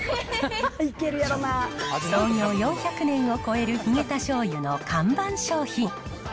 創業４００年を超えるヒゲタしょうゆの看板商品。